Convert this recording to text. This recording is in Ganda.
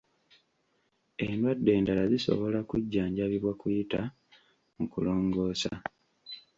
Endwadde endala zisobola kujjanjabibwa kuyita mu kulongoosa